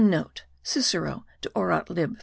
(* Cicero, de Orat. lib.